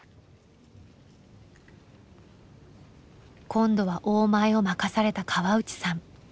今度は「大前」を任された河内さん。